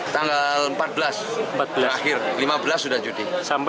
tanggal empat belas akhir lima belas sudah judi